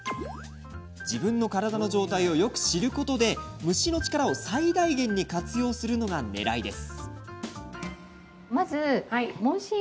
自分の体の状態をよく知ることで蒸しの力を最大限に活用するのがねらいです。